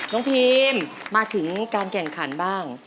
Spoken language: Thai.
พีมมาถึงการแข่งขันบ้าง